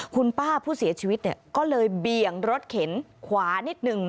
คุณป้าผู้เสียชีวิตเนี่ยก็เลยเบี่ยงรถเข็นขวานิดนึง